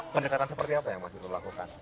pendekatan seperti apa yang mas ibu lakukan